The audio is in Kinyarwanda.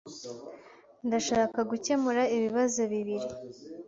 Ndashaka gukemura ibibazo bibiri.